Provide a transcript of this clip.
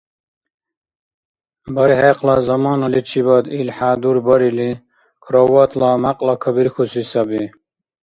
БархӀехъла заманаличибад ил хӀядурбарили кроватьла мякьла кабирхьуси саби.